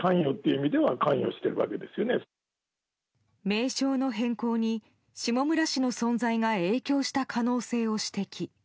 名称の変更に下村氏の存在が影響した可能性を指摘。